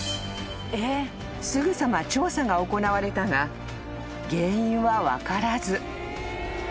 ［すぐさま調査が行われたが原因は分からず］